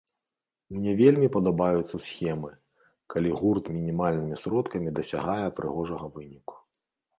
Мне вельмі падабаюцца схемы, калі гурт мінімальнымі сродкамі дасягае прыгожага выніку.